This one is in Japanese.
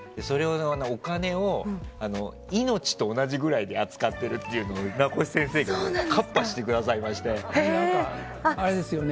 お金を命と同じぐらいに扱っているというのを名越先生が言ってくださいまして。